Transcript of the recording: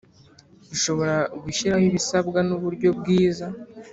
ishobora gushyiraho ibisabwa n uburyo bwiza